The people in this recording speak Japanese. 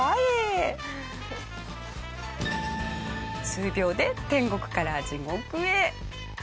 数秒で天国から地獄へ。